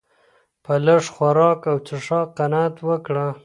په لږ خوراک او څښاک قناعت وکړه.